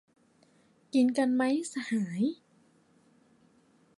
กินกันมั้ยสหาย